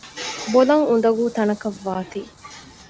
ބޮލަށް އުދަގޫ ތަނަކަށް ވާތީ